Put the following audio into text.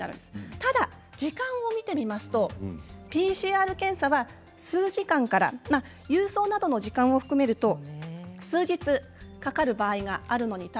ただ時間を見てみるとＰＣＲ検査は郵送などの時間を含めると数日かかる場合があります。